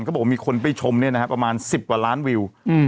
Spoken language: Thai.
เขาบอกว่ามีคนไปชมเนี่ยนะฮะประมาณ๑๐กว่าล้านวิว